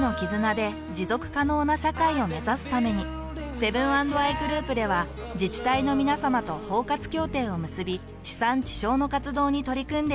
セブン＆アイグループでは自治体のみなさまと包括協定を結び地産地消の活動に取り組んでいます。